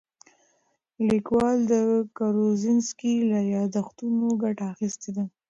لیکوال د کروزینسکي له یادښتونو ګټه اخیستې ده.